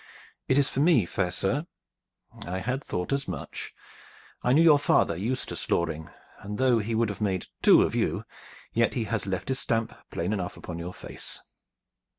"It is for me, fair sir." "I had thought as much. I knew your father, Eustace Loring, and though he would have made two of you, yet he has left his stamp plain enough upon your face."